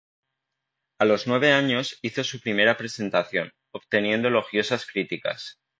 A los nueve años hizo su primera presentación, obteniendo elogiosas críticas.